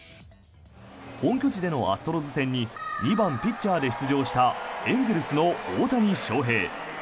本拠地でのアストロズ戦に２番ピッチャーで出場したエンゼルスの大谷翔平。